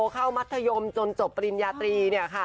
เข้ามัธยมจนจบปริญญาตรีเนี่ยค่ะ